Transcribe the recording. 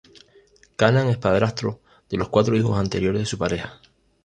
Kanan es padrastro de los cuatro hijos anteriores de su pareja.